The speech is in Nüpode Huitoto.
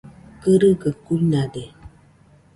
Kɨrɨgaɨ kuinade.